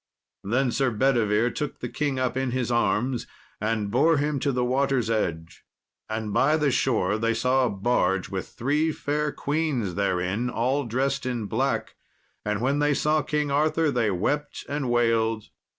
Then Sir Bedivere took the king up in his arms, and bore him to the water's edge. And by the shore they saw a barge with three fair queens therein, all dressed in black, and when they saw King Arthur they wept and wailed.